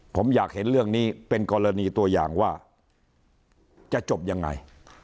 ผมอยากเห็นเรื่องนี้เป็นกรณีตัวอย่างว่าจะจบยังไง